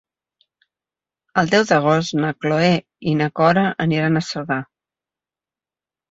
El deu d'agost na Cloè i na Cora aniran a Cerdà.